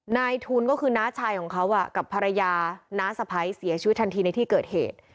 นายทุนก็คือน้าชายของเขากับภรรยาน้าสะพ้ายเสียชีวิตทันทีในที่เกิดเหตุ